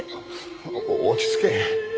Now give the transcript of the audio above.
お落ち着け。